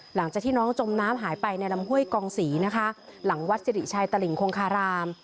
หลังจากที่น้องจมน้ำหายไปในลำห้วยกองศรีนะคะหลังวัดสิริชัยตลิงคงคาราม